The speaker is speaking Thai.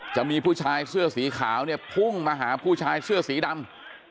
จะมีผู้ชายเสื้อสีขาวเนี่ยพุ่งมาหาผู้ชายเสื้อสีดำ